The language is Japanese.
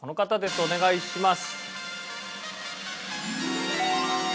お願いします。